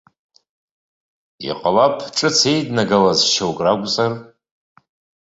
Иҟалап ҿыц еиднагалаз шьоук ракәзар.